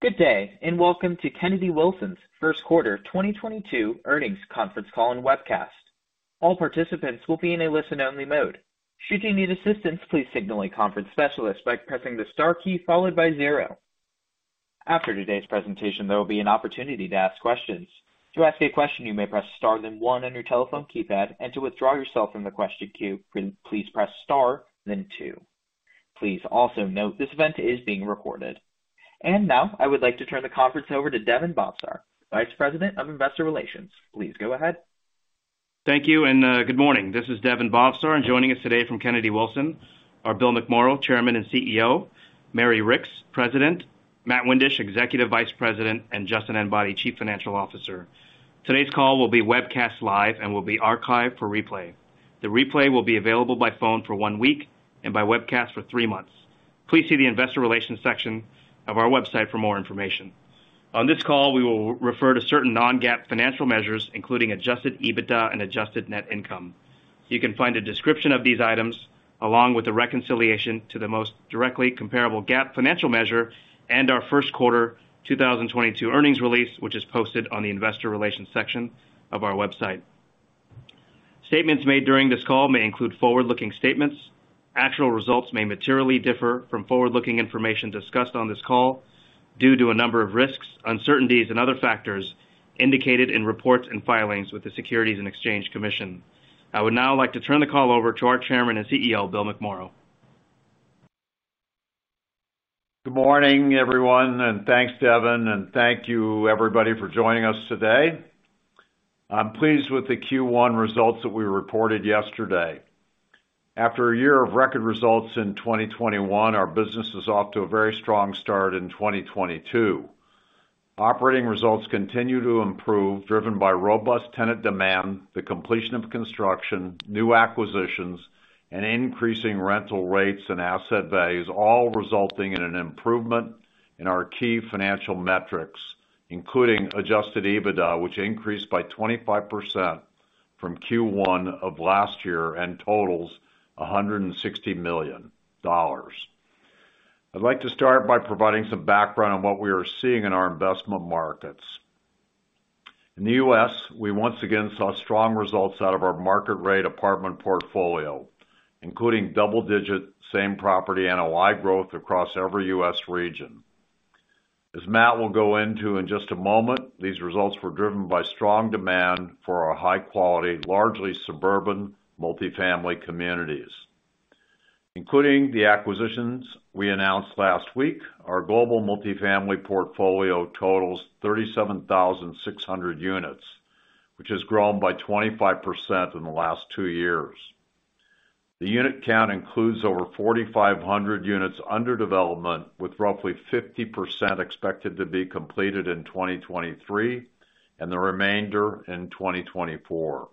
Good day, and welcome to Kennedy Wilson’s first quarter 2022 earnings conference call and webcast. All participants will be in a listen-only mode. Should you need assistance, please signal a conference specialist by pressing the star key followed by zero. After today’s presentation, there will be an opportunity to ask questions. To ask a question, you may press star then one on your telephone keypad, and to withdraw yourself from the question queue, please press star then two. Please also note this event is being recorded. Now I would like to turn the conference over to Daven Bhavsar, Vice President of Investor Relations. Please go ahead. Thank you and good morning. This is Daven Bhavsar. Joining us today from Kennedy Wilson are Bill McMorrow, Chairman and CEO, Mary Ricks, President, Matt Windisch, Executive Vice President, and Justin Enbody, Chief Financial Officer. Today's call will be webcast live and will be archived for replay. The replay will be available by phone for one week and by webcast for three months. Please see the investor relations section of our website for more information. On this call, we will refer to certain non-GAAP financial measures, including adjusted EBITDA and adjusted net income. You can find a description of these items, along with the reconciliation to the most directly comparable GAAP financial measure, and our first quarter 2022 earnings release, which is posted on the investor relations section of our website. Statements made during this call may include forward-looking statements. Actual results may materially differ from forward-looking information discussed on this call due to a number of risks, uncertainties, and other factors indicated in reports and filings with the Securities and Exchange Commission. I would now like to turn the call over to our Chairman and CEO, Bill McMorrow. Good morning, everyone, and thanks, Daven, and thank you everybody for joining us today. I'm pleased with the Q1 results that we reported yesterday. After a year of record results in 2021, our business is off to a very strong start in 2022. Operating results continue to improve, driven by robust tenant demand, the completion of construction, new acquisitions, and increasing rental rates and asset values, all resulting in an improvement in our key financial metrics, including adjusted EBITDA, which increased by 25% from Q1 of last year and totals $160 million. I'd like to start by providing some background on what we are seeing in our investment markets. In the U.S., we once again saw strong results out of our market rate apartment portfolio, including double-digit same-property NOI growth across every U.S. region. As Matt will go into in just a moment, these results were driven by strong demand for our high quality, largely suburban multifamily communities. Including the acquisitions we announced last week, our global multifamily portfolio totals 37,600 units, which has grown by 25% in the last two years. The unit count includes over 4,500 units under development, with roughly 50% expected to be completed in 2023 and the remainder in 2024.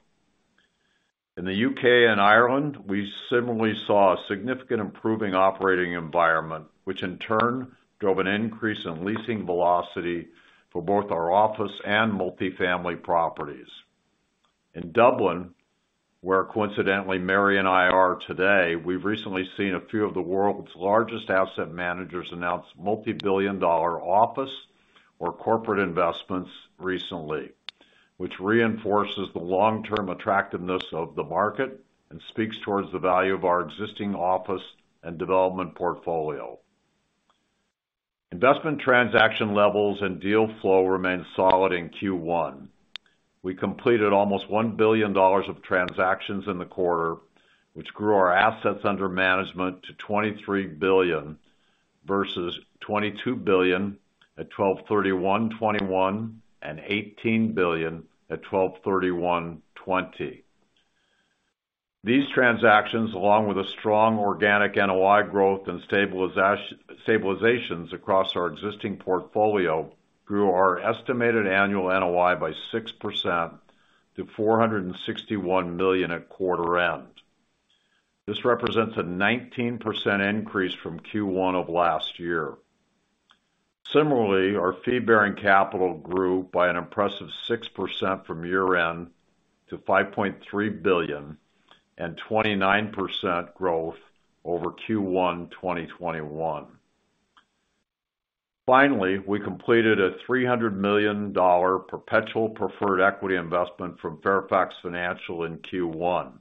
In the U.K. and Ireland, we similarly saw a significant improving operating environment, which in turn drove an increase in leasing velocity for both our office and multifamily properties. In Dublin, where coincidentally Mary and I are today, we've recently seen a few of the world's largest asset managers announce multi-billion dollar office or corporate investments recently, which reinforces the long-term attractiveness of the market and speaks towards the value of our existing office and development portfolio. Investment transaction levels and deal flow remained solid in Q1. We completed almost $1 billion of transactions in the quarter, which grew our assets under management to $23 billion versus $22 billion at 12/31/2021 and $18 billion at 12/31/2020. These transactions, along with a strong organic NOI growth and stabilizations across our existing portfolio, grew our estimated annual NOI by 6% to $461 million at quarter end. This represents a 19% increase from Q1 of last year. Similarly, our fee-bearing capital grew by an impressive 6% from year-end to $5.3 billion and 29% growth over Q1 2021. Finally, we completed a $300 million perpetual preferred equity investment from Fairfax Financial in Q1,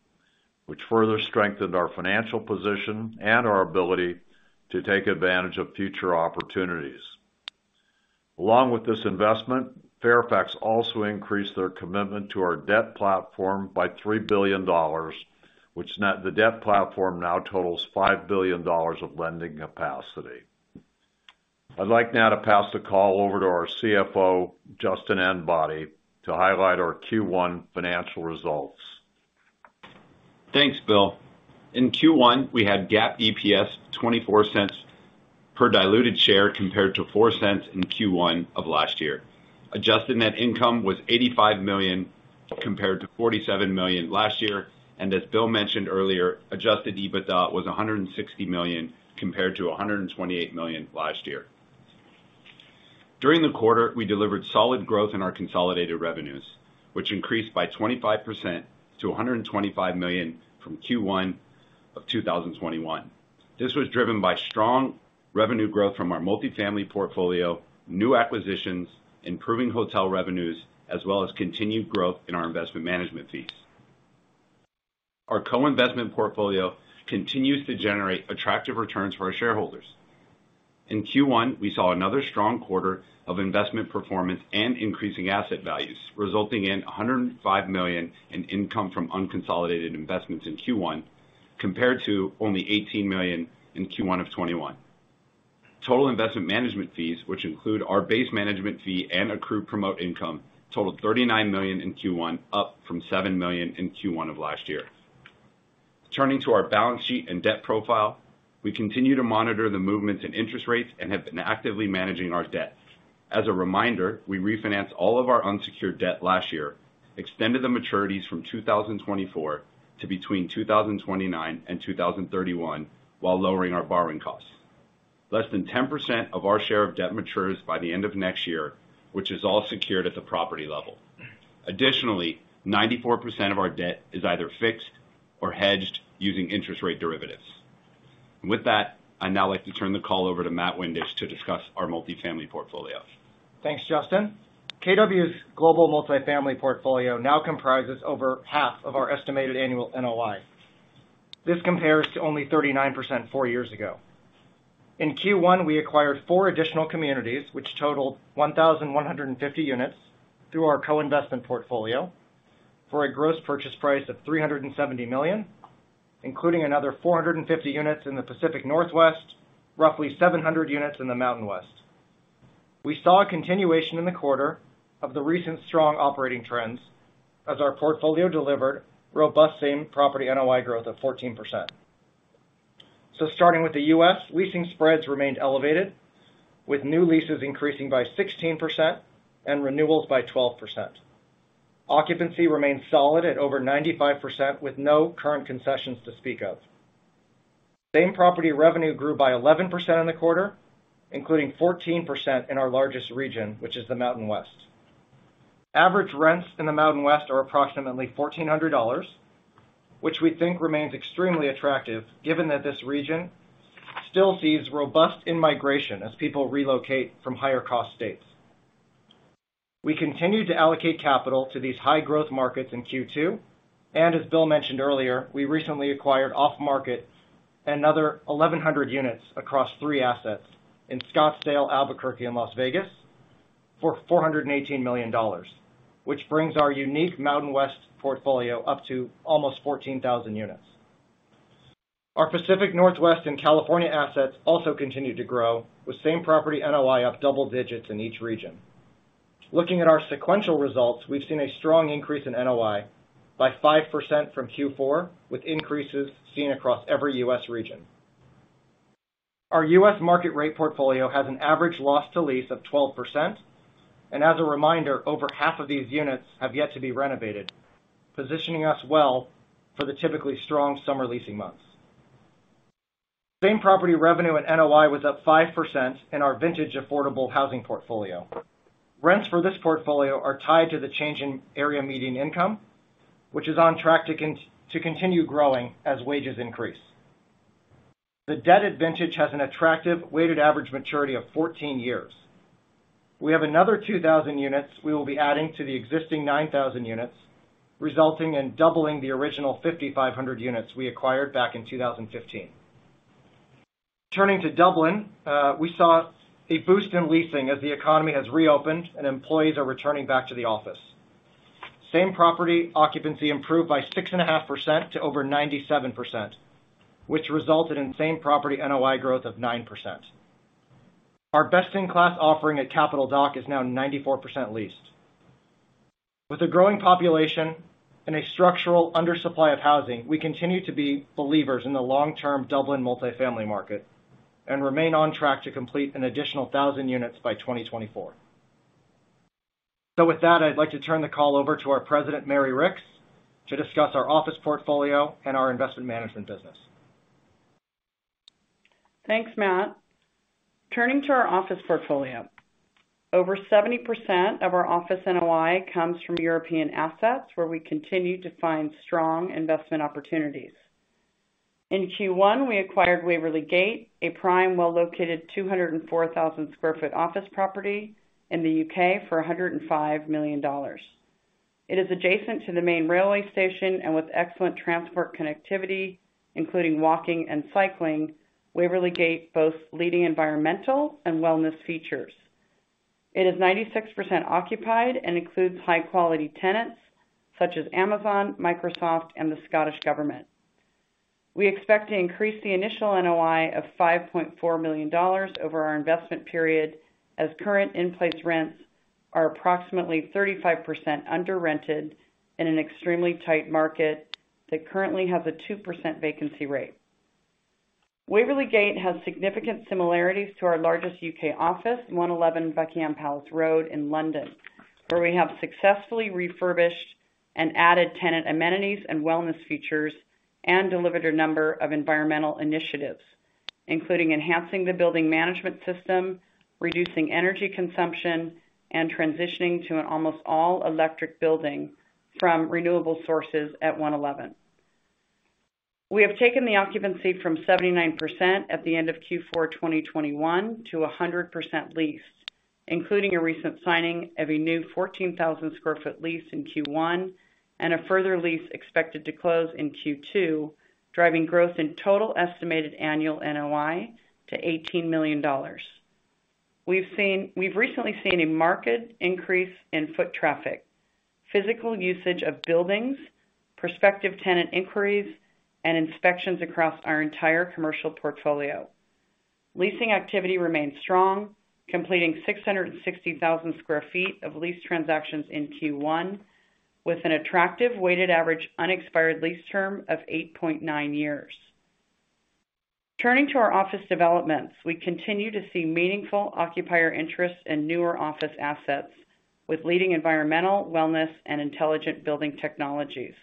which further strengthened our financial position and our ability to take advantage of future opportunities. Along with this investment, Fairfax also increased their commitment to our debt platform by $3 billion, which net the debt platform now totals $5 billion of lending capacity. I'd like now to pass the call over to our CFO, Justin Enbody, to highlight our Q1 financial results. Thanks, Bill. In Q1, we had GAAP EPS $0.24 per diluted share compared to $0.04 in Q1 of last year. Adjusted net income was $85 million compared to $47 million last year. As Bill mentioned earlier, adjusted EBITDA was $160 million compared to $128 million last year. During the quarter, we delivered solid growth in our consolidated revenues, which increased by 25% to $125 million from Q1 Of 2021. This was driven by strong revenue growth from our multifamily portfolio, new acquisitions, improving hotel revenues, as well as continued growth in our investment management fees. Our co-investment portfolio continues to generate attractive returns for our shareholders. In Q1, we saw another strong quarter of investment performance and increasing asset values, resulting in $105 million in income from unconsolidated investments in Q1, compared to only $18 million in Q1 of 2021. Total investment management fees, which include our base management fee and accrued promote income, totaled $39 million in Q1, up from $7 million in Q1 of last year. Turning to our balance sheet and debt profile, we continue to monitor the movements in interest rates and have been actively managing our debt. As a reminder, we refinanced all of our unsecured debt last year, extended the maturities from 2024 to between 2029 and 2031, while lowering our borrowing costs. Less than 10% of our share of debt matures by the end of next year, which is all secured at the property level. Additionally, 94% of our debt is either fixed or hedged using interest rate derivatives. With that, I'd now like to turn the call over to Matt Windisch to discuss our multifamily portfolio. Thanks, Justin. KW's global multifamily portfolio now comprises over half of our estimated annual NOI. This compares to only 39% four years ago. In Q1, we acquired four additional communities, which totaled 1,150 units through our co-investment portfolio for a gross purchase price of $370 million, including another 450 units in the Pacific Northwest, roughly 700 units in the Mountain West. We saw a continuation in the quarter of the recent strong operating trends as our portfolio delivered robust same-property NOI growth of 14%. Starting with the U.S., leasing spreads remained elevated, with new leases increasing by 16% and renewals by 12%. Occupancy remains solid at over 95% with no current concessions to speak of. Same-property revenue grew by 11% in the quarter, including 14% in our largest region, which is the Mountain West. Average rents in the Mountain West are approximately $1,400, which we think remains extremely attractive given that this region still sees robust in-migration as people relocate from higher-cost states. We continue to allocate capital to these high-growth markets in Q2. As Bill mentioned earlier, we recently acquired off-market another 1,100 units across three assets in Scottsdale, Albuquerque, and Las Vegas for $418 million, which brings our unique Mountain West portfolio up to almost 14,000 units. Our Pacific Northwest and California assets also continued to grow with same-property NOI up double digits in each region. Looking at our sequential results, we've seen a strong increase in NOI by 5% from Q4, with increases seen across every U.S. region. Our US market rate portfolio has an average loss to lease of 12%. As a reminder, over half of these units have yet to be renovated, positioning us well for the typically strong summer leasing months. Same-property revenue and NOI was up 5% in our vintage affordable housing portfolio. Rents for this portfolio are tied to the change in area median income, which is on track to continue growing as wages increase. The debt at Vintage has an attractive weighted average maturity of 14 years. We have another 2,000 units we will be adding to the existing 9,000 units, resulting in doubling the original 5,500 units we acquired back in 2015. Turning to Dublin, we saw a boost in leasing as the economy has reopened and employees are returning back to the office. Same property occupancy improved by 6.5% to over 97%, which resulted in same property NOI growth of 9%. Our best-in-class offering at Capital Dock is now 94% leased. With a growing population and a structural undersupply of housing, we continue to be believers in the long-term Dublin multifamily market, and remain on track to complete an additional 1,000 units by 2024. With that, I'd like to turn the call over to our president, Mary Ricks, to discuss our office portfolio and our investment management business. Thanks, Matt. Turning to our office portfolio. Over 70% of our office NOI comes from European assets, where we continue to find strong investment opportunities. In Q1, we acquired Waverley Gate, a prime well-located 204,000 sq ft office property in the U.K. for $105 million. It is adjacent to the main railway station and with excellent transport connectivity, including walking and cycling, Waverley Gate boasts leading environmental and wellness features. It is 96% occupied and includes high-quality tenants such as Amazon, Microsoft, and the Scottish Government. We expect to increase the initial NOI of $5.4 million over our investment period as current in-place rents are approximately 35% under-rented in an extremely tight market that currently has a 2% vacancy rate. Waverley Gate has significant similarities to our largest U.K. office, One Eleven Buckingham Palace Road in London, where we have successfully refurbished and added tenant amenities and wellness features and delivered a number of environmental initiatives, including enhancing the building management system, reducing energy consumption, and transitioning to an almost all-electric building from renewable sources at One Eleven. We have taken the occupancy from 79% at the end of Q4 2021 to 100% leased, including a recent signing of a new 14,000 sq ft lease in Q1 and a further lease expected to close in Q2, driving growth in total estimated annual NOI to $18 million. We've recently seen a marked increase in foot traffic, physical usage of buildings, prospective tenant inquiries, and inspections across our entire commercial portfolio. Leasing activity remains strong, completing 660,000 sq ft of lease transactions in Q1, with an attractive weighted average unexpired lease term of 8.9 years. Turning to our office developments, we continue to see meaningful occupier interest in newer office assets with leading environmental, wellness, and intelligent building technologies.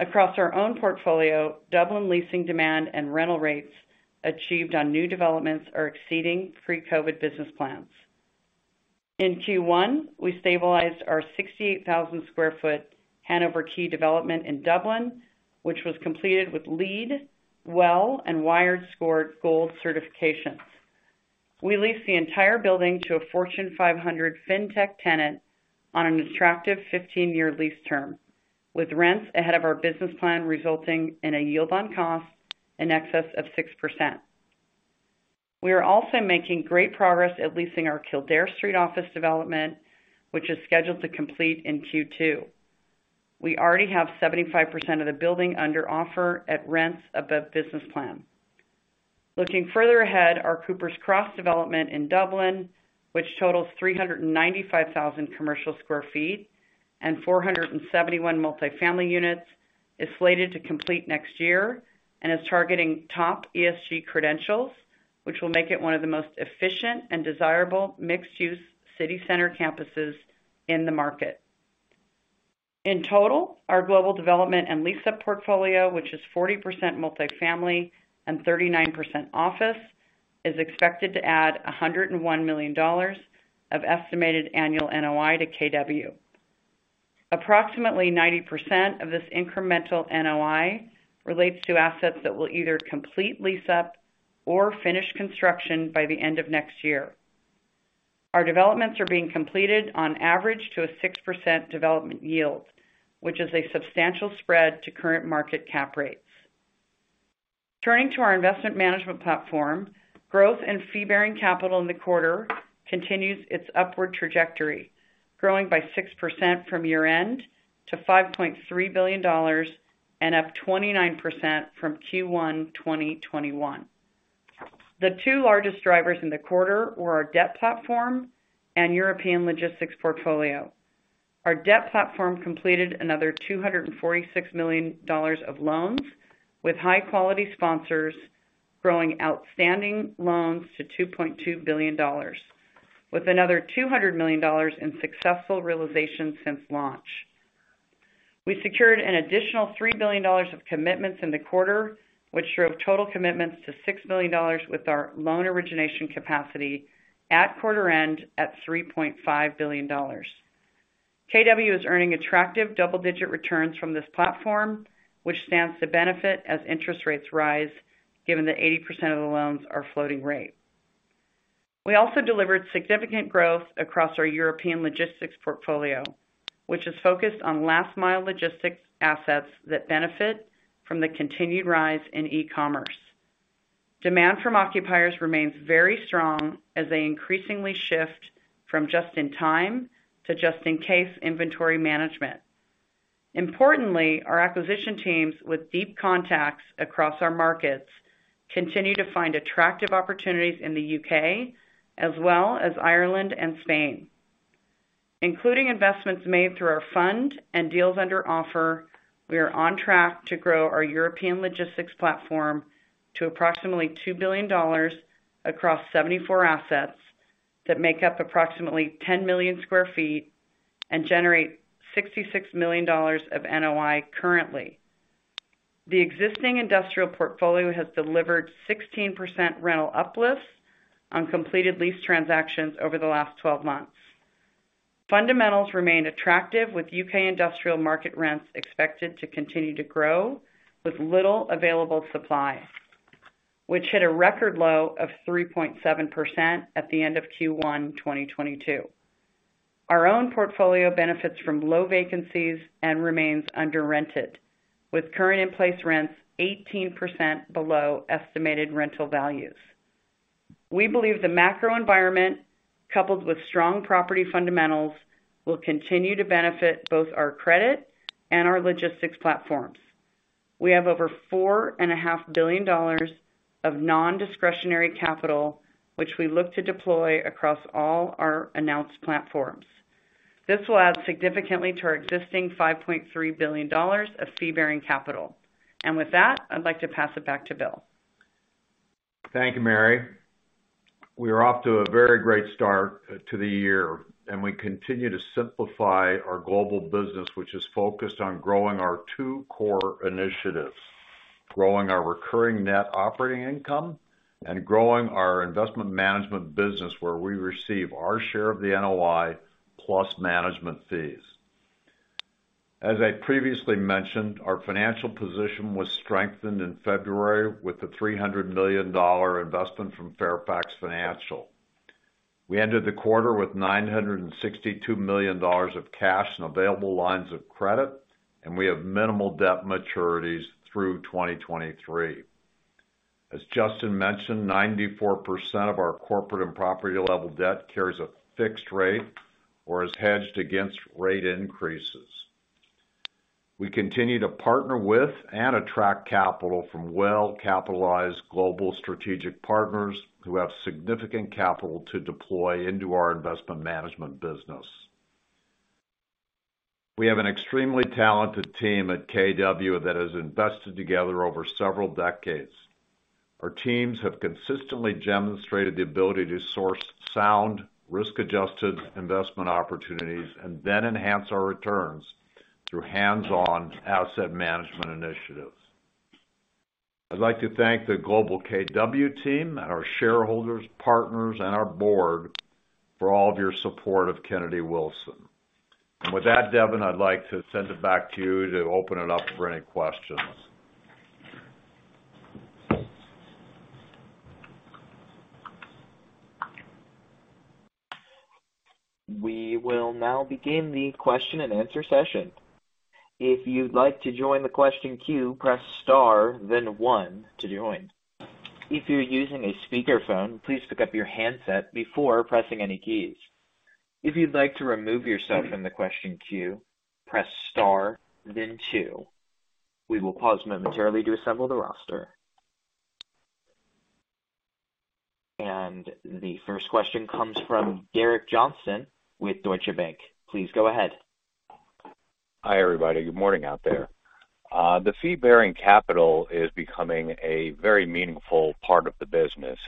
Across our own portfolio, Dublin leasing demand and rental rates achieved on new developments are exceeding pre-COVID business plans. In Q1, we stabilized our 68,000 sq ft Hanover Quay development in Dublin, which was completed with LEED, WELL, and WiredScore Gold certifications. We leased the entire building to a Fortune 500 fintech tenant on an attractive 15-year lease term, with rents ahead of our business plan resulting in a yield on cost in excess of 6%. We are also making great progress at leasing our Kildare Street office development, which is scheduled to complete in Q2. We already have 75% of the building under offer at rents above business plan. Looking further ahead, our Cooper's Cross development in Dublin, which totals 395,000 sq ft commercial square feet and 471 multifamily units, is slated to complete next year and is targeting top ESG credentials, which will make it one of the most efficient and desirable mixed-use city center campuses in the market. In total, our global development and lease-up portfolio, which is 40% multifamily and 39% office, is expected to add $101 million of estimated annual NOI to KW. Approximately 90% of this incremental NOI relates to assets that will either complete lease-up or finish construction by the end of next year. Our developments are being completed on average to a 6% development yield, which is a substantial spread to current market cap rates. Turning to our investment management platform, growth in fee-bearing capital in the quarter continues its upward trajectory, growing by 6% from year-end to $5.3 billion and up 29% from Q1 2021. The two largest drivers in the quarter were our debt platform and European logistics portfolio. Our debt platform completed another $246 million of loans with high-quality sponsors, growing outstanding loans to $2.2 billion, with another $200 million in successful realization since launch. We secured an additional $3 billion of commitments in the quarter, which drove total commitments to $6 billion with our loan origination capacity at quarter end at $3.5 billion. KW is earning attractive double-digit returns from this platform, which stands to benefit as interest rates rise, given that 80% of the loans are floating rate. We also delivered significant growth across our European logistics portfolio, which is focused on last mile logistics assets that benefit from the continued rise in e-commerce. Demand from occupiers remains very strong as they increasingly shift from just-in-time to just-in-case inventory management. Importantly, our acquisition teams with deep contacts across our markets continue to find attractive opportunities in the U.K. as well as Ireland and Spain. Including investments made through our fund and deals under offer, we are on track to grow our European logistics platform to approximately $2 billion across 74 assets that make up approximately 10 million sq ft and generate $66 million of NOI currently. The existing industrial portfolio has delivered 16% rental uplifts on completed lease transactions over the last 12 months. Fundamentals remain attractive with U.K. industrial market rents expected to continue to grow with little available supply, which hit a record low of 3.7% at the end of Q1 2022. Our own portfolio benefits from low vacancies and remains under-rented, with current in-place rents 18% below estimated rental values. We believe the macro environment coupled with strong property fundamentals will continue to benefit both our credit and our logistics platforms. We have over $4.5 billion of non-discretionary capital, which we look to deploy across all our announced platforms. This will add significantly to our existing $5.3 billion of fee-bearing capital. With that, I'd like to pass it back to Bill. Thank you, Mary. We are off to a very great start to the year, and we continue to simplify our global business, which is focused on growing our two core initiatives, growing our recurring net operating income and growing our investment management business where we receive our share of the NOI plus management fees. As I previously mentioned, our financial position was strengthened in February with the $300 million investment from Fairfax Financial. We ended the quarter with $962 million of cash and available lines of credit, and we have minimal debt maturities through 2023. As Justin mentioned, 94% of our corporate and property-level debt carries a fixed rate or is hedged against rate increases. We continue to partner with and attract capital from well-capitalized global strategic partners who have significant capital to deploy into our investment management business. We have an extremely talented team at KW that has invested together over several decades. Our teams have consistently demonstrated the ability to source sound, risk-adjusted investment opportunities, and then enhance our returns through hands-on asset management initiatives. I'd like to thank the global KW team and our shareholders, partners, and our board for all of your support of Kennedy Wilson. With that, Daven, I'd like to send it back to you to open it up for any questions. We will now begin the question-and-answer session. If you'd like to join the question queue, press star then one to join. If you're using a speakerphone, please pick up your handset before pressing any keys. If you'd like to remove yourself from the question queue, press star then two. We will pause momentarily to assemble the roster. The first question comes from Derek Johnston with Deutsche Bank. Please go ahead. Hi, everybody. Good morning out there. The fee-bearing capital is becoming a very meaningful part of the business.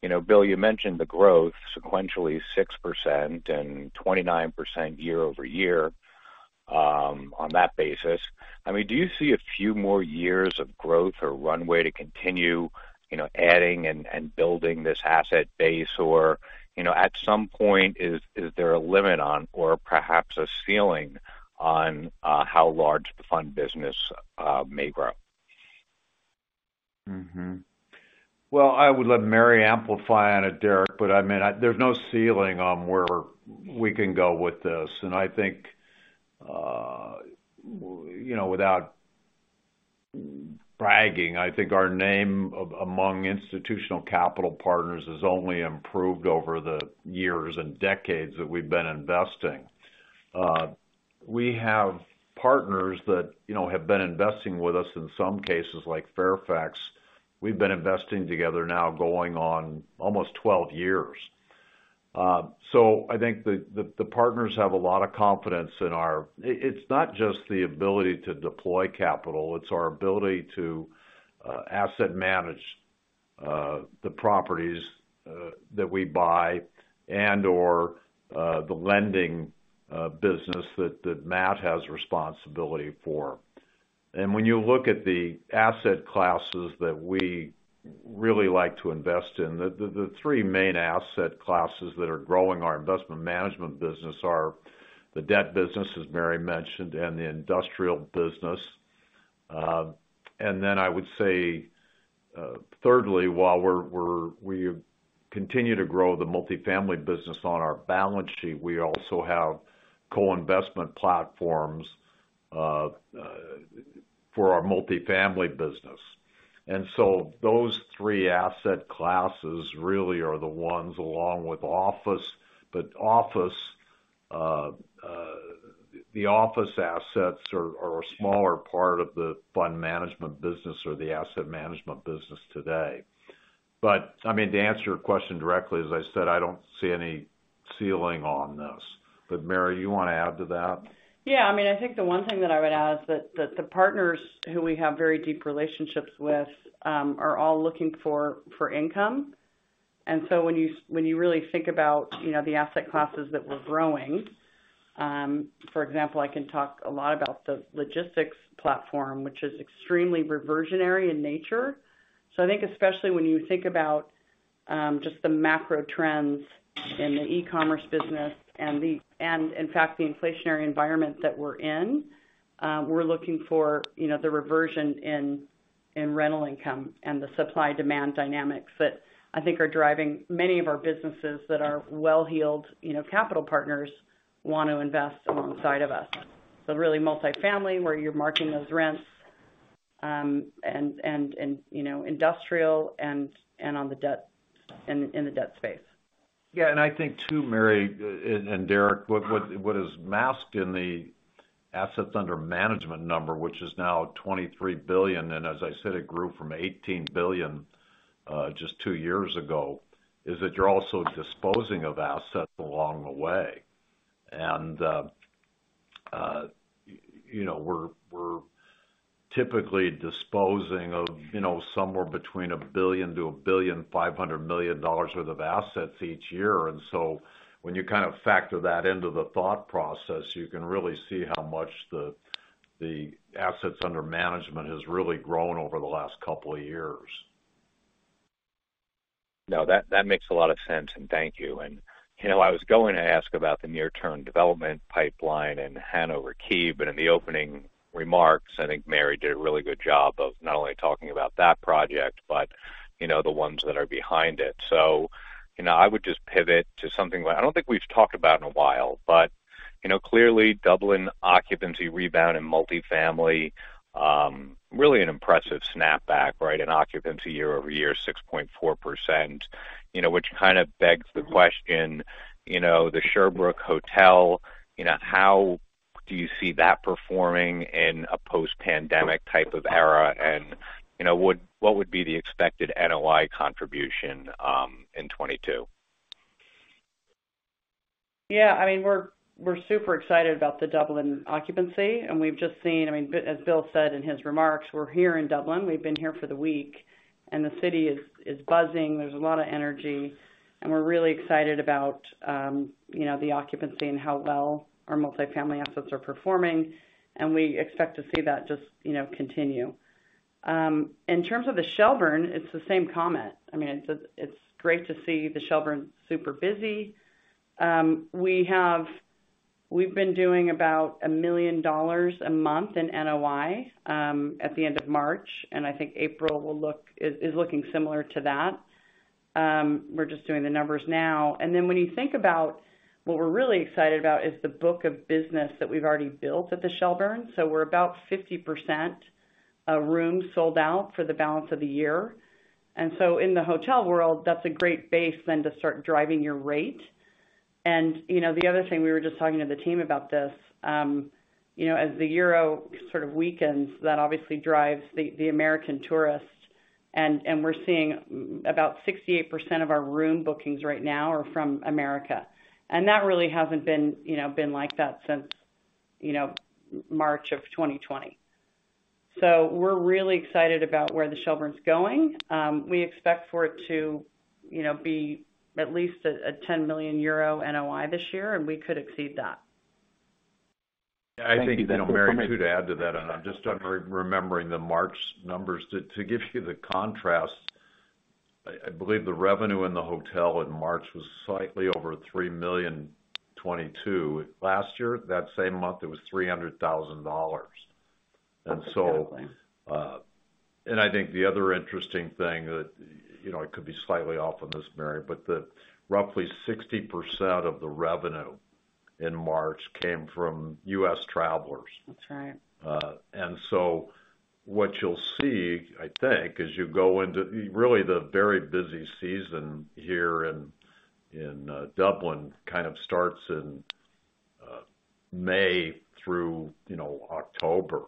You know, Bill, you mentioned the growth sequentially 6% and 29% year-over-year on that basis. I mean, do you see a few more years of growth or runway to continue, you know, adding and building this asset base? Or, you know, at some point, is there a limit on or perhaps a ceiling on how large the fund business may grow? Well, I would let Mary amplify on it, Derek, but I mean, there's no ceiling on where we can go with this. I think you know, without bragging, I think our name among institutional capital partners has only improved over the years and decades that we've been investing. We have partners that you know have been investing with us in some cases, like Fairfax. We've been investing together now going on almost 12 years. I think the partners have a lot of confidence in our... It's not just the ability to deploy capital, it's our ability to asset manage the properties that we buy and/or the lending business that Matt has responsibility for. When you look at the asset classes that we really like to invest in, the three main asset classes that are growing our investment management business are the debt business, as Mary mentioned, and the industrial business. I would say, thirdly, while we continue to grow the multifamily business on our balance sheet, we also have co-investment platforms for our multifamily business. Those three asset classes really are the ones along with office. Office, the office assets are a smaller part of the fund management business or the asset management business today. I mean, to answer your question directly, as I said, I don't see any ceiling on this. Mary, you wanna add to that? Yeah. I mean, I think the one thing that I would add is that the partners, who we have very deep relationships with, are all looking for income. So, when you really think about, you know, the asset classes that we're growing, for example, I can talk a lot about the logistics platform, which is extremely reversionary in nature. I think especially when you think about just the macro trends in the e-commerce business and in fact the inflationary environment that we're in, we're looking for, you know, the reversion in rental income and the supply-demand dynamics that I think are driving many of our businesses that our well-heeled, you know, capital partners want to invest alongside of us. Really multifamily where you're marking those rents, and you know, industrial and in the debt space. Yeah. I think too, Mary, and Derek, what is masked in the assets under management number, which is now $23 billion, and as I said, it grew from $18 billion just two years ago, is that you're also disposing of assets along the way. You know, we're typically disposing of, you know, somewhere between $1 billion-$1.5 billion worth of assets each year. When you kind of factor that into the thought process, you can really see how much the assets under management has really grown over the last couple of years. Now, that makes a lot of sense, and thank you. You know, I was going to ask about the near-term development pipeline in Hanover Quay, but in the opening remarks, I think Mary did a really good job of not only talking about that project but, you know, the ones that are behind it. You know, I would just pivot to something like I don't think we've talked about in a while, but, you know, clearly Dublin occupancy rebound in multifamily, really an impressive snapback, right, in occupancy year-over-year, 6.4%. You know, which kind of begs the question, you know, The Shelbourne Hotel, you know, how do you see that performing in a post-pandemic type of era? You know, what would be the expected NOI contribution in 2022? Yeah. I mean, we're super excited about the Dublin occupancy, and we've just seen, I mean, as Bill said in his remarks, we're here in Dublin. We've been here for the week, and the city is buzzing. There's a lot of energy, and we're really excited about, you know, the occupancy and how well our multifamily assets are performing, and we expect to see that just, you know, continue. In terms of The Shelbourne, it's the same comment. I mean, it's great to see The Shelbourne super busy. We've been doing about $1 million a month in NOI at the end of March, and I think April is looking similar to that. We're just doing the numbers now. When you think about what we're really excited about is the book of business that we've already built at The Shelbourne. We're about 50% rooms sold out for the balance of the year. So, in the hotel world that's a great base when to start driving your rates. You know, the other thing, we were just talking to the team about this, you know, as the euro sort of weakens, that obviously drives the American tourists. We're seeing about 68% of our room bookings right now are from America. That really hasn't been you know, been like that since, you know, March of 2020. We're really excited about where The Shelbourne's going. We expect for it to, you know, be at least a 10 million euro NOI this year, and we could exceed that. Thank you. I think, you know, Mary, to add to that, and I'm just re-remembering the March numbers. To give you the contrast, I believe the revenue in the hotel in March was slightly over $3,000,022. Last year, that same month, it was $300,000. That's right. I think the other interesting thing that, you know, I could be slightly off on this, Mary, but that roughly 60% of the revenue in March came from U.S. travelers. That's right. What you'll see, I think, as you go into really the very busy season here in Dublin, kind of starts in May through, you know, October.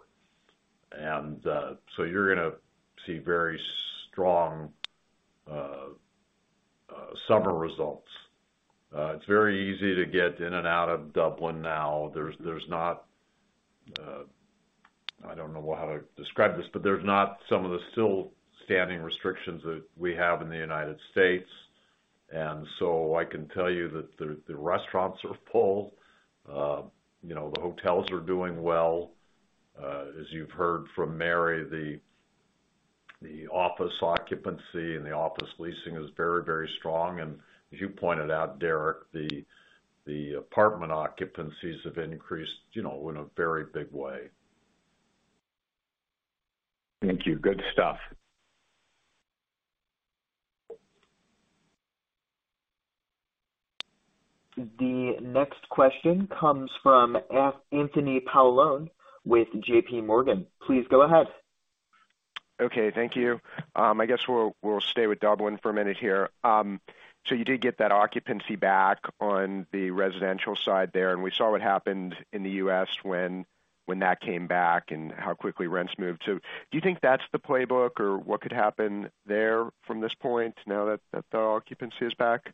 You're gonna see very strong summer results. It's very easy to get in and out of Dublin now. There's not... I don't know how to describe this, but there's not some of the still standing restrictions that we have in the United States. I can tell you that the restaurants are full. You know, the hotels are doing well. As you've heard from Mary, the office occupancy and the office leasing is very, very strong. As you pointed out, Derek, the apartment occupancies have increased, you know, in a very big way. Thank you. Good stuff. The next question comes from Anthony Paolone with JPMorgan. Please go ahead. Okay. Thank you. I guess we'll stay with Dublin for a minute here. You did get that occupancy back on the residential side there, and we saw what happened in the U.S. when that came back and how quickly rents moved. Do you think that's the playbook, or what could happen there from this point now that the occupancy is back?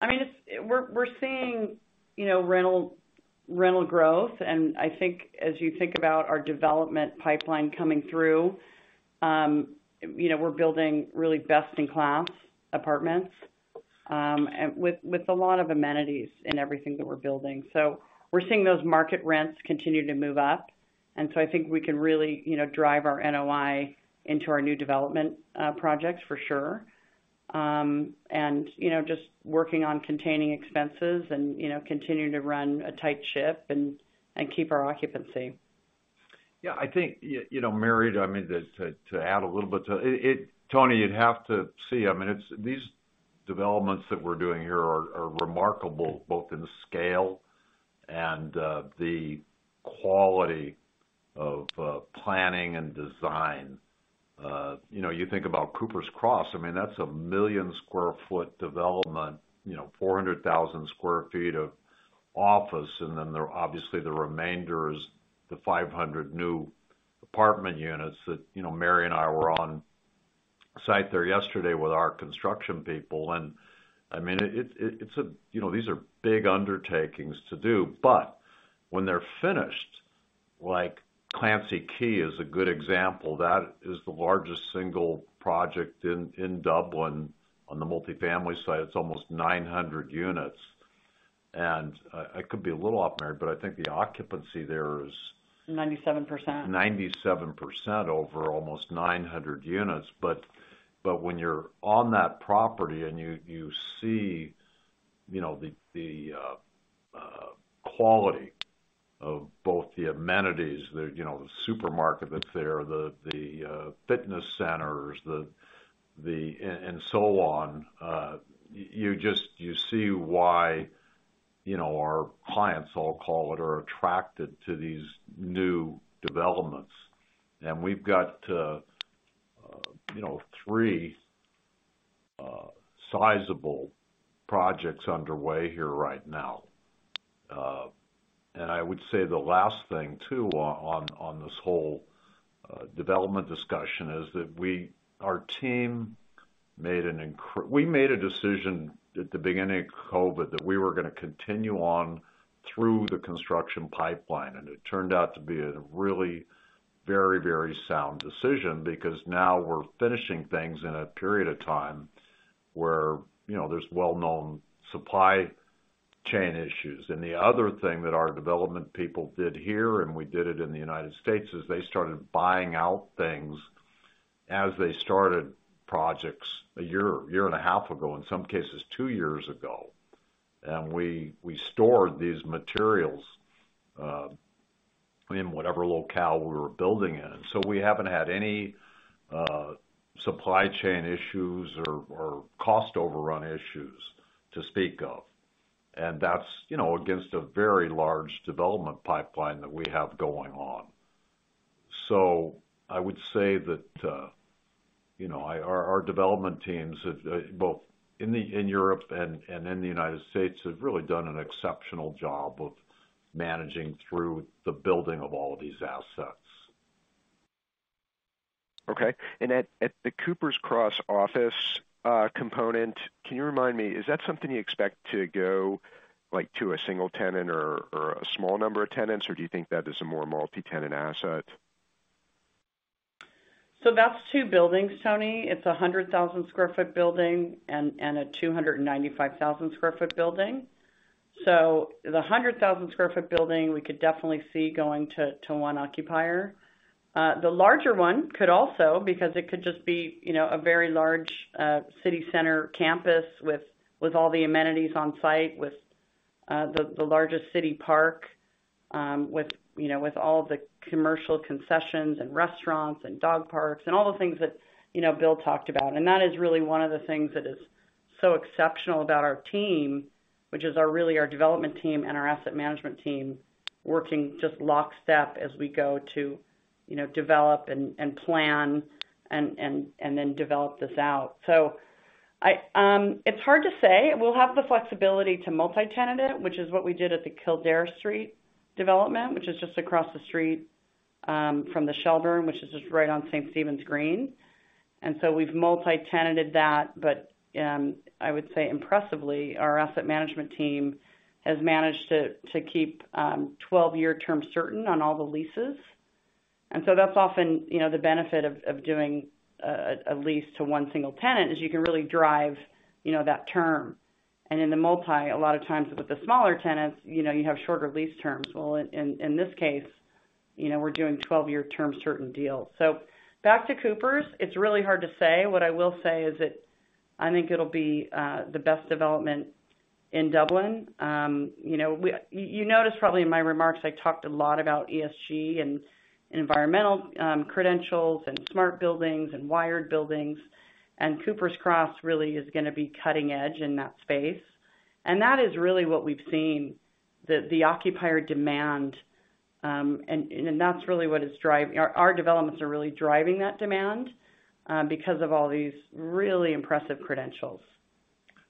I mean, we're seeing, you know, rental growth. I think as you think about our development pipeline coming through, you know, we're building really best-in-class apartments, and with a lot of amenities in everything that we're building. We're seeing those market rents continue to move up. I think we can really, you know, drive our NOI into our new development projects for sure. You know, just working on containing expenses and, you know, continuing to run a tight ship and keep our occupancy. I think you know, Mary, I mean, to add a little bit to. Tony, you'd have to see. I mean, it's these developments that we're doing here are remarkable, both in scale and the quality of planning and design. You know, you think about Cooper's Cross, I mean, that's a 1 million sq ft development, you know, 400,000 sq ft of office. Then there obviously the remainder is the 500 new apartment units that, you know, Mary and I were on site there yesterday with our construction people, and I mean, it's you know, these are big undertakings to do, but when they're finished, like Clancy Quay is a good example. That is the largest single project in Dublin on the multifamily side. It's almost 900 units. I could be a little off, Mary, but I think the occupancy there is- 97%.... 97% over almost 900 units. When you're on that property and you see, you know, the quality of both the amenities, the, you know, the supermarket that's there, the fitness centers, the... and so on, you see why, you know, our clients, I'll call it, are attracted to these new developments. We've got, you know, three sizable projects underway here right now. I would say the last thing too on this whole development discussion is that we, our team, we made a decision at the beginning of COVID that we were gonna continue on through the construction pipeline. It turned out to be a really very, very sound decision because now we're finishing things in a period of time where, you know, there's well-known supply chain issues. The other thing that our development people did here, and we did it in the United States, is they started buying out things as they started projects a year, a year and a half ago, in some cases, two years ago. We stored these materials in whatever locale we were building in. We haven't had any supply chain issues or cost overrun issues to speak of. That's, you know, against a very large development pipeline that we have going on. I would say that, you know, our development teams have both in Europe and in the United States have really done an exceptional job of managing through the building of all of these assets. Okay. At the Cooper's Cross office component, can you remind me, is that something you expect to go, like, to a single tenant or a small number of tenants, or do you think that is a more multi-tenant asset? That's two buildings, Tony. It's a 100,000 sq ft building and a 295,000 sq ft building. The 100,000 sq ft building we could definitely see going to one occupier. The larger one could also because it could just be, you know, a very large city center campus with all the amenities on site, with the largest city park, with you know with all the commercial concessions and restaurants and dog parks, and all the things that, you know, Bill talked about. That is really one of the things that is so exceptional about our team, which is really our development team and our asset management team, working just lockstep as we go to, you know, develop and plan and then develop this out. It's hard to say. We'll have the flexibility to multi-tenant it, which is what we did at the Kildare Street development, which is just across the street from The Shelbourne, which is just right on St. Stephen's Green. We've multi-tenanted that. I would say impressively, our asset management team has managed to keep 12-year terms certain on all the leases. That's often, you know, the benefit of doing a lease to one single tenant, is you can really drive, you know, that term. And in the multi, a lot of times with the smaller tenants, you know, you have shorter lease terms. Well, in this case, you know, we're doing 12-year terms certain deals. Back to Cooper's, it's really hard to say. What I will say is that I think it'll be the best development in Dublin. You know, you noticed probably in my remarks, I talked a lot about ESG, and environmental credentials, and smart buildings, and wired buildings, and Cooper's Cross really is gonna be cutting edge in that space. That is really what we've seen, the occupier demand. Our developments are really driving that demand because of all these really impressive credentials.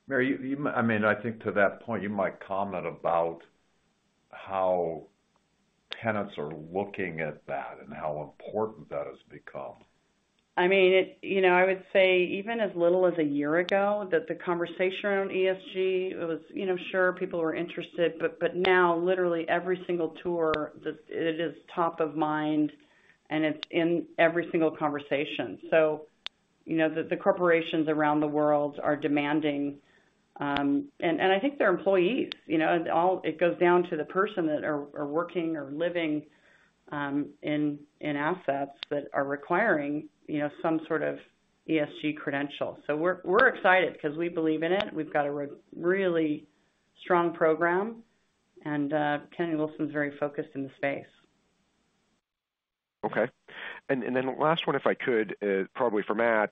Mary, you, I mean, I think to that point, you might comment about how tenants are looking at that and how important that has become. I mean, you know, I would say even as little as a year ago that the conversation around ESG was, you know, sure, people were interested, but now literally every single tour that it is top of mind and it's in every single conversation. You know, the corporations around the world are demanding. I think their employees, you know. It goes down to the person that are working or living in assets that are requiring, you know, some sort of ESG credentials. We're excited 'cause we believe in it. We've got a really strong program, and Kennedy Wilson is very focused in the space. Okay. Last one, if I could, probably for Matt.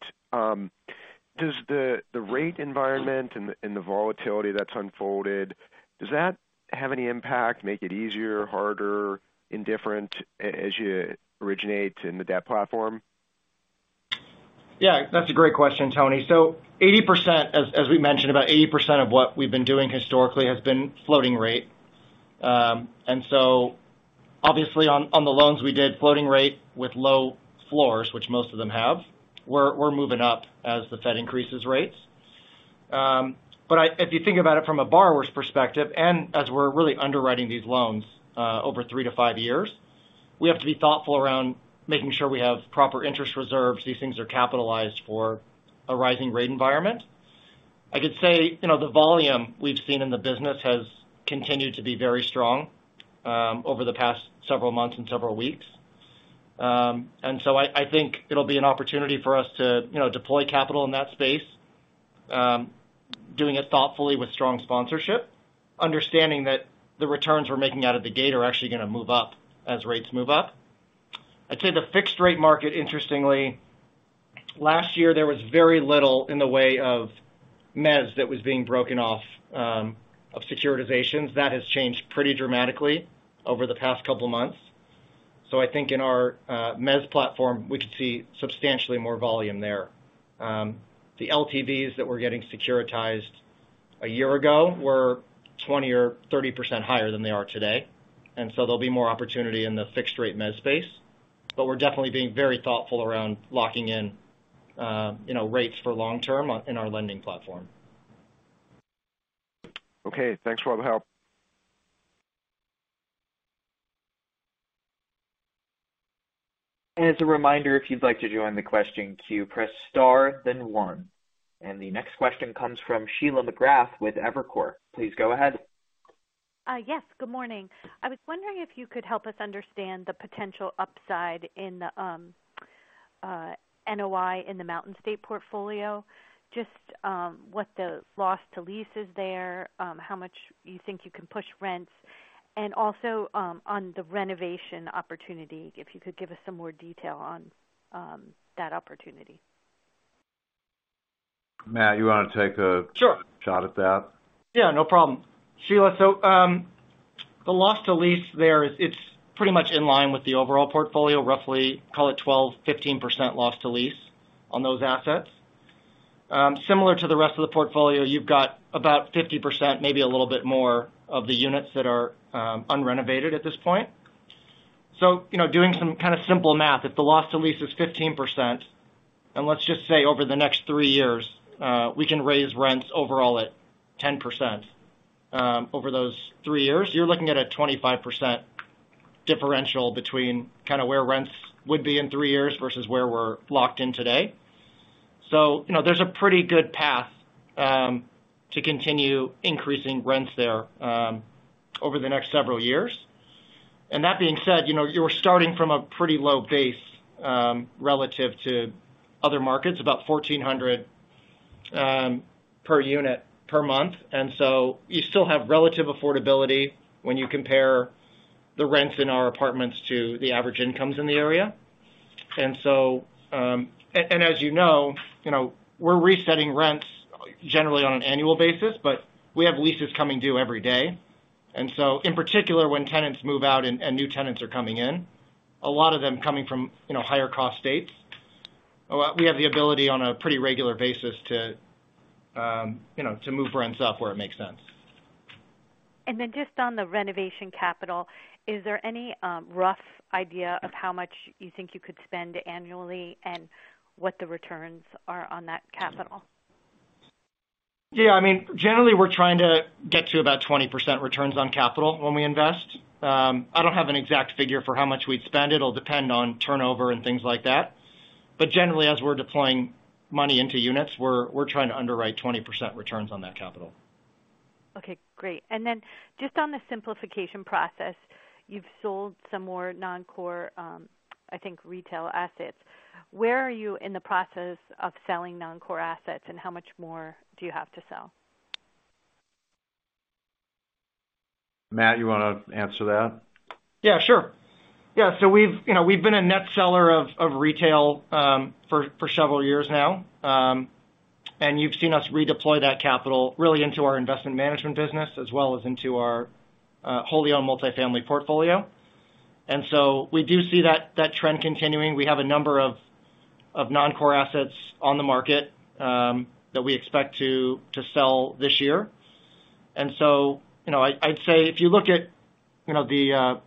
Does the rate environment and the volatility that's unfolded, does that have any impact, make it easier, harder, indifferent, as you originate in the debt platform? Yeah. That's a great question, Tony. 80%, as we mentioned, about 80% of what we've been doing historically has been floating rate. Obviously, on the loans we did floating rate with low floors, which most of them have. We're moving up as the Fed increases rates. If you think about it from a borrower's perspective, and as we're really underwriting these loans, over three to five years, we have to be thoughtful around making sure we have proper interest reserves. These things are capitalized for a rising rate environment. I could say, you know, the volume we've seen in the business has continued to be very strong, over the past several months and several weeks. I think it'll be an opportunity for us to, you know, deploy capital in that space, doing it thoughtfully with strong sponsorship, understanding that the returns we're making out of the gate are actually gonna move up as rates move up. I'd say the fixed rate market, interestingly, last year, there was very little in the way of mezz that was being broken off of securitizations. That has changed pretty dramatically over the past couple of months. I think in our mezz platform, we could see substantially more volume there. The LTVs that were getting securitized a year ago were 20% or 30% higher than they are today, and so there'll be more opportunity in the fixed-rate mezz space. We're definitely being very thoughtful around locking in, you know, rates for long term in our lending platform. Okay, thanks for the help. As a reminder, if you'd like to join the question queue, press star then one. The next question comes from Sheila McGrath with Evercore. Please go ahead. Yes. Good morning. I was wondering if you could help us understand the potential upside in the NOI in the Mountain West portfolio. Just what the loss to lease is there, how much you think you can push rents, and also on the renovation opportunity, if you could give us some more detail on that opportunity. Matt, you wanna take a- Sure. ...shot at that? Yeah, no problem. Sheila, so, the loss to lease there is. It's pretty much in line with the overall portfolio, roughly call it 12%-15% loss to lease on those assets. Similar to the rest of the portfolio, you've got about 50%, maybe a little bit more of the units that are unrenovated at this point. So, you know, doing some kind of simple math, if the loss to lease is 15%, and let's just say over the next three years, we can raise rents overall at 10% over those three years, you're looking at a 25% differential between kinda where rents would be in three years versus where we're locked in today. So, you know, there's a pretty good path to continue increasing rents there over the next several years. That being said, you know, you're starting from a pretty low base relative to other markets, about $1,400 per unit per month. You still have relative affordability when you compare the rents in our apartments to the average incomes in the area. As you know, you know, we're resetting rents generally on an annual basis, but we have leases coming due every day. In particular, when tenants move out and new tenants are coming in, a lot of them coming from, you know, higher cost states, we have the ability on a pretty regular basis to, you know, to move rents up where it makes sense. Just on the renovation capital, is there any rough idea of how much you think you could spend annually and what the returns are on that capital? Yeah. I mean, generally, we're trying to get to about 20% returns on capital when we invest. I don't have an exact figure for how much we'd spend. It'll depend on turnover and things like that. Generally, as we're deploying money into units, we're trying to underwrite 20% returns on that capital. Okay, great. Just on the simplification process, you've sold some more non-core, I think, retail assets. Where are you in the process of selling non-core assets, and how much more do you have to sell? Matt, you wanna answer that? Yeah, sure. Yeah. We've, you know, been a net seller of retail for several years now. You've seen us redeploy that capital really into our investment management business, as well as into our wholly owned multifamily portfolio. We do see that trend continuing. We have a number of non-core assets on the market that we expect to sell this year. You know, I'd say if you look at, you know,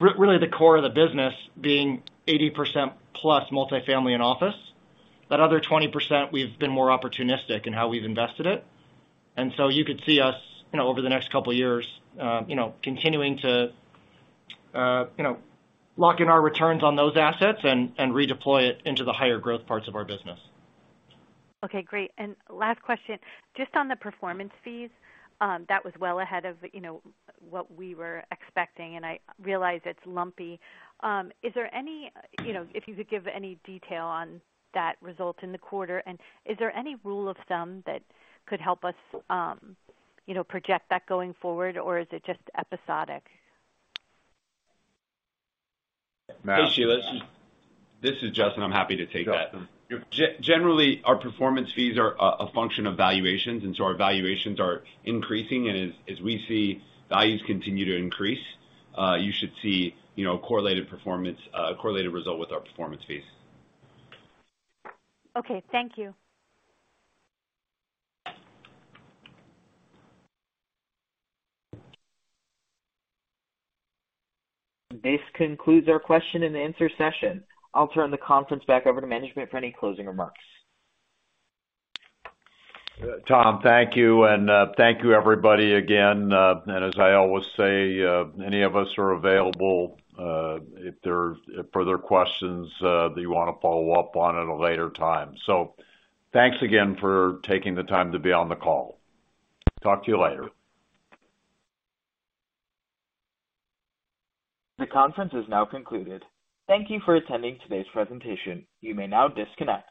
really the core of the business being 80% plus multifamily and office, that other 20%, we've been more opportunistic in how we've invested it. You could see us, you know, over the next couple of years, you know, continuing to, you know, lock in our returns on those assets and redeploy it into the higher growth parts of our business. Okay, great. Last question, just on the performance fees, that was well ahead of, you know, what we were expecting, and I realize it's lumpy. Is there any, you know, if you could give any detail on that result in the quarter, and is there any rule of thumb that could help us, you know, project that going forward, or is it just episodic? Matt- Hey, Sheila. This is Justin. I'm happy to take that. Justin. Generally, our performance fees are a function of valuations, and so our valuations are increasing. As we see values continue to increase, you should see, you know, correlated performance, correlated result with our performance fees. Okay, thank you. This concludes our question and answer session. I'll turn the conference back over to management for any closing remarks. Operator, thank you. Thank you, everybody, again. As I always say, any of us are available, if there are further questions, that you wanna follow up on at a later time. Thanks again for taking the time to be on the call. Talk to you later. The conference is now concluded. Thank you for attending today's presentation. You may now disconnect.